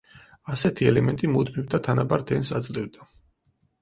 ასეთი ელემენტი მუდმივ და თანაბარ დენს აძლევდა.